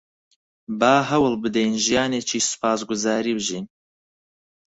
با هەوڵ بدەین ژیانێکی سوپاسگوزاری بژین.